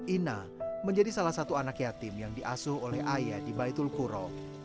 ina menjadi salah satu anak yatim yang diasuh oleh ayah di baitul kuro